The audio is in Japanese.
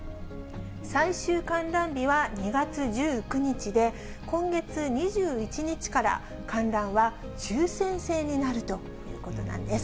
最終観覧日は２月１９日で、今月２１日から観覧は抽せん制になるということなんです。